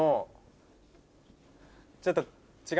ちょっと。